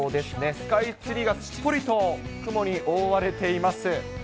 スカイツリーがすっぽりと雲に覆われています。